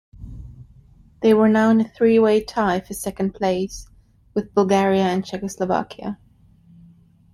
They were now in a three-way tie for second place with Bulgaria and Czechoslovakia.